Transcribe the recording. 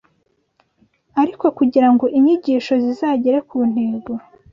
Ariko kugira ngo inyigisho zizagere ku ntego